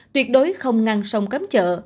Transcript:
tuyệt đối không ngăn sông cấm chợ